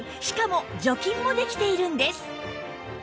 しかも除菌もできているんです